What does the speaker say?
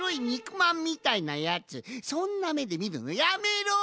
まんみたいなやつそんなめでみるのやめろ！